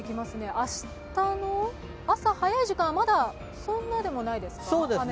明日の朝早い時間、まだそんなでもないですか？